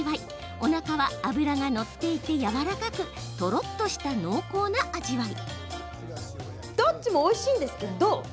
おなかは脂が乗っていてやわらかく、とろっとした濃厚な味わい。